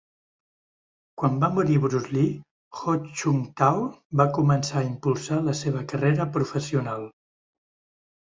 Quan va morir Bruce Lee, Ho Chung-tao va començar a impulsar la seva carrera professional.